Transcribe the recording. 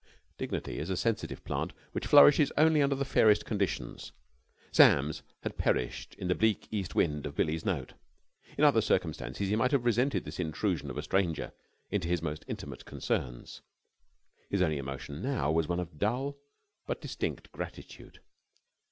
Dignity is a sensitive plant which flourishes only under the fairest conditions. Sam's had perished in the bleak east wind of Billie's note. In other circumstances he might have resented this intrusion of a stranger into his most intimate concerns. His only emotion now, was one of dull but distinct gratitude.